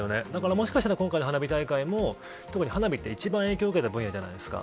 もしかしたら今回の花火大会も特に花火は一番、影響を受けた分野じゃないですか。